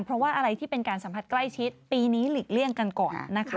เพราะว่าอะไรที่เป็นการสัมผัสใกล้ชิดปีนี้หลีกเลี่ยงกันก่อนนะคะ